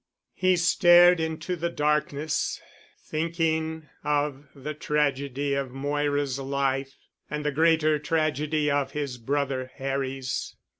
He stared into the darkness, thinking of the tragedy of Moira's life, and the greater tragedy of his brother Harry's.